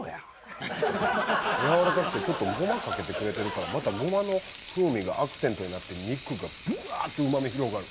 やわらかくてちょっとごまかけてくれてるからまたごまの風味がアクセントになって肉がブワーッとうま味広がる。